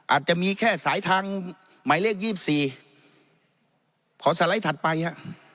อาจจะมีแค่สายทางหมายเลข๒๔ขอสไลด์ถัดไปฮะ